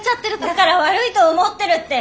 だから悪いと思ってるって！